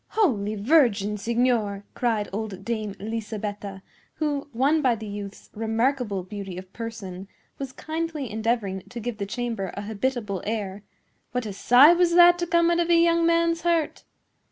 "Holy Virgin, signor!" cried old Dame Lisabetta, who, won by the youth's remarkable beauty of person, was kindly endeavoring to give the chamber a habitable air, "what a sigh was that to come out of a young man's heart!